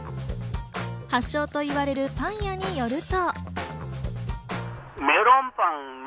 発祥といわれるパン屋によると。